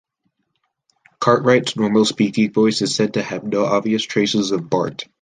Cartwright's normal speaking voice is said to have "no obvious traces of Bart".